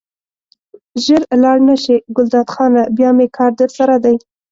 ژر لاړ نه شې ګلداد خانه بیا مې کار درسره دی.